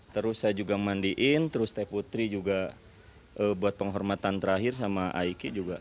terus saya juga mandiin terus teh putri juga buat penghormatan terakhir sama aiki juga